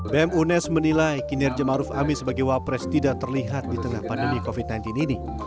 bm unes menilai kinerja maruf amin sebagai wapres tidak terlihat di tengah pandemi covid sembilan belas ini